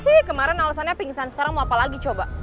ih kemarin alesannya pingsan sekarang mau apa lagi coba